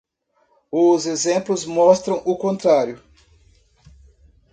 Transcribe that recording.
Os exemplos mostram o contrário.